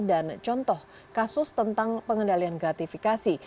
dan contoh kasus tentang pengendalian gratifikasi